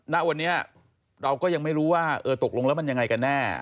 ณวันนี้เราก็ยังไม่รู้ว่าเออตกลงแล้วมันยังไงกันแน่